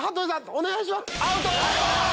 お願いします。